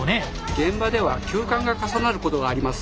現場では急患が重なることがあります。